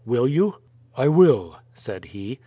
Will you?" "I will," said he.